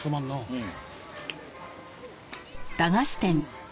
うん。